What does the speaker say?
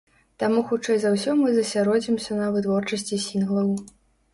Таму хутчэй за ўсё мы засяродзімся на вытворчасці сінглаў.